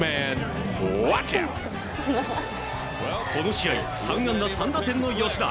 この試合３安打３打点の吉田。